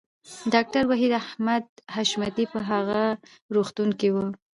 ډاکټر وحید احمد حشمتی په هغه روغتون کې و